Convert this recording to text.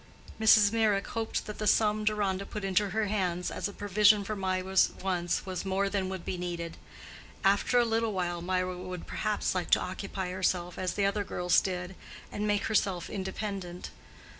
Mrs. Meyrick hoped that the sum Deronda put into her hands as a provision for Mirah's wants was more than would be needed; after a little while Mirah would perhaps like to occupy herself as the other girls did, and make herself independent.